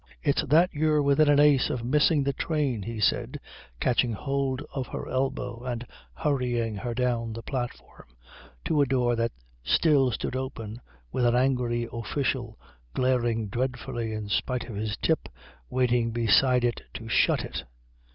"It's that you're within an ace of missing the train," he said, catching hold of her elbow and hurrying her down the platform to a door that still stood open, with an angry official, glaring dreadfully in spite of his tip, waiting beside it to shut it.